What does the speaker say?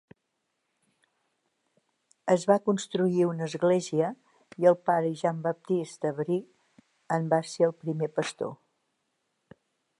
Es va construir una església i el pare Jean Baptiste Bre en va ser el primer pastor.